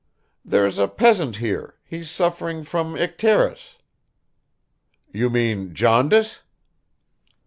"There's a peasant here; he's suffering from icterus ..." "You mean jaundice?"